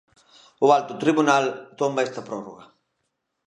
O alto tribunal tomba esta prórroga.